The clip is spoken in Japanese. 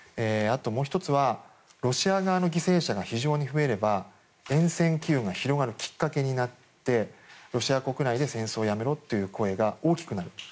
もう１つはロシア側の犠牲者が非常に増えれば厭戦機運が広がるきっかけになってロシア国内で戦争をやめろという声が大きくなる。